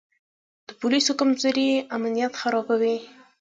د پولیسو کمزوري امنیت خرابوي.